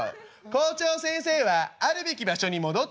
「校長先生はあるべき場所に戻ってください」。